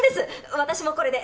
私もこれで。